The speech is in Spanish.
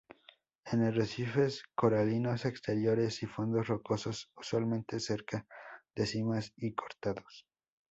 En arrecifes coralinos exteriores y fondos rocosos, usualmente cerca de simas y cortados.